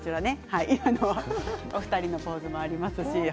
お二人のポーズもあります。